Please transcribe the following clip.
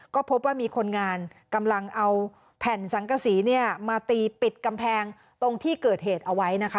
ก็พบว่ามีคนงานกำลังเอาแผ่นสังกษีมาตีปิดกำแพงตรงที่เกิดเหตุเอาไว้นะคะ